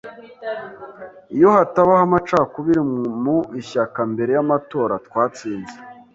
Iyo hatabaho amacakubiri mu ishyaka mbere y’amatora, twatsinze.